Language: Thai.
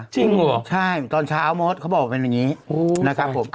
จริงเหรอใช่ตอนเช้ามดเขาบอกเป็นอย่างนี้นะครับผม